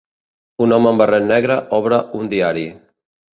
Un home amb barret negre obre un diari.